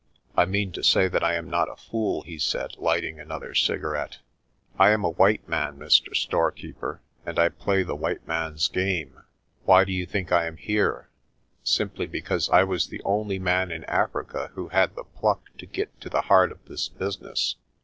J "I mean to say that I am not a fool," he said, lighting another cigarette. "I am a white man, Mr. Storekeeper, and I play the white man's game. Why do you think I am here? Simply because I was the only man in Africa who had the pluck to get to the heart of this business.